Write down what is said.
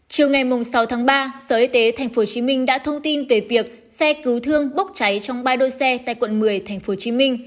chiều ngày sáu tháng ba sở y tế tp hcm đã thông tin về việc xe cứu thương bốc cháy trong ba đôi xe tại quận một mươi tp hcm